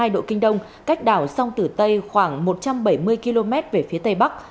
một trăm một mươi ba hai độ kinh đông cách đảo sông tử tây khoảng một trăm bảy mươi km về phía tây bắc